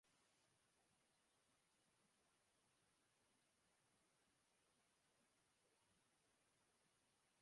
Inicialmente siguió las ideas filosóficas de Georg Wilhelm Friedrich Hegel.